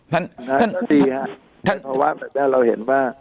นั้นก็ดีครับเพราะว่าแบบนี้เราเห็นว่า